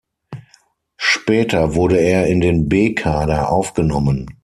Später wurde er in den B-Kader aufgenommen.